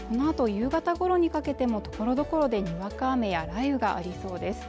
夕方ごろにかけてもところどころでにわか雨や雷雨がありそうです